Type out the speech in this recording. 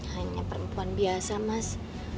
hanya perempuan biasa mas